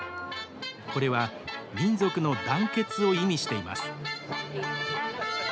これは「民族の団結」を意味しています。